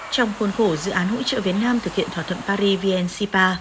trong khuôn khổ dự án hỗ trợ việt nam thực hiện thỏa thuận paris vn sipa